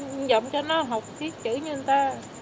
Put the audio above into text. miệng giọng cho nó học biết chữ như người ta